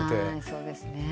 そうですね。